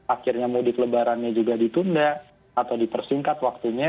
akhirnya mudik lebarannya juga ditunda atau dipersingkat waktunya